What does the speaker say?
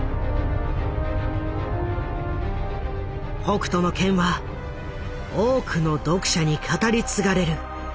「北斗の拳」は多くの読者に語り継がれる伝説となった。